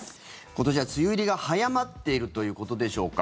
今年は梅雨入りが早まっているということでしょうか？